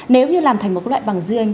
nếu như làm thành một loại bằng riêng